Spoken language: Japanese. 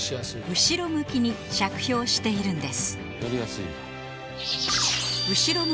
後ろ向きに着氷しているんです